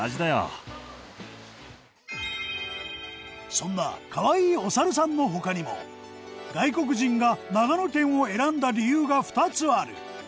そんなかわいいお猿さんの他にも外国人が長野県を選んだ理由が２つある。